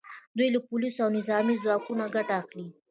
دوی له پولیسو او نظامي ځواکونو ګټه اخلي